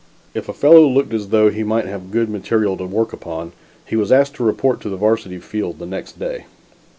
If a fellow looked as though he might have good material to work upon, he was asked to report at the Varsity field the next day.